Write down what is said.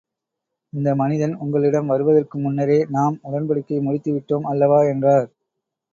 இந்த மனிதன் உங்களிடம் வருவதற்கு முன்னரே நாம் உடன்படிக்கை முடித்து விட்டோம் அல்லவா? என்றார்.